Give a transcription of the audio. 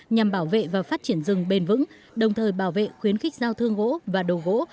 nhằm bảo vệ và phát triển rừng bền vững đồng thời bảo vệ khuyến khích giao thương gỗ và đồ gỗ